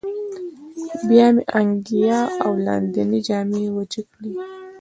بیا مې انګیا او لاندینۍ جامې وچې کړې.